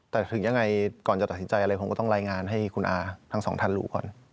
แต่ถึงยังไงก่อนจะตัดสินใจอะไรผมก็ต้องรายงานให้คุณอาทั้งสองท่านรู้ก่อน